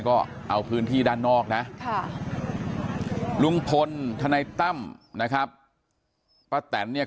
ก็เอาพื้นที่ด้านนอกนะค่ะลุงพลทนายตั้มนะครับป้าแตนเนี่ย